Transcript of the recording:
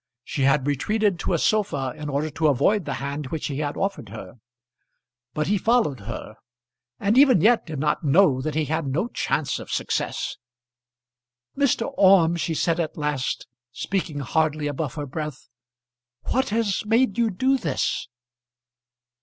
She had retreated to a sofa in order to avoid the hand which he had offered her; but he followed her, and even yet did not know that he had no chance of success. "Mr. Orme," she said at last, speaking hardly above her breath, "what has made you do this?"